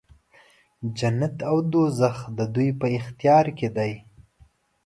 جنت او دوږخ د دوی په اختیار کې دی.